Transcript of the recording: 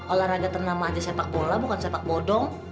olahraga ternama aja sepak bola bukan sepak bodong